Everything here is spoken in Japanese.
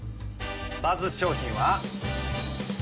バズ商品は？